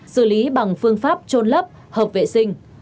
xử lý bằng phương pháp trôn lấp hợp vệ sinh